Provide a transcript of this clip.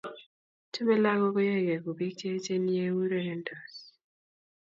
Chamei lagok koyaegei ko bik che echen eng yeurerendos